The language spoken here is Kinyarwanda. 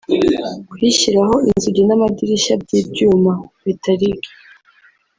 kuyishyiraho inzugi n’amadirishya by’ibyuma (metallique)